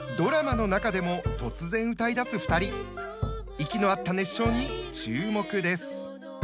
息の合った熱唱に注目です。